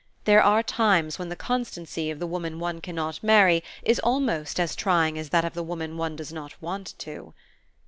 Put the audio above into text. There are times when the constancy of the woman one cannot marry is almost as trying as that of the woman one does not want to.